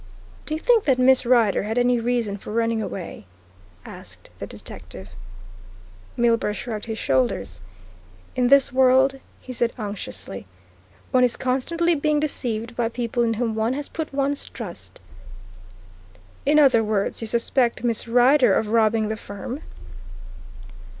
"Do you think that Miss Rider had any reason for running away?" asked the detective. Milburgh shrugged his shoulders. "In this world," he said unctuously, "one is constantly being deceived by people in whom one has put one's trust." "In other words, you suspect Miss Rider of robbing the firm?"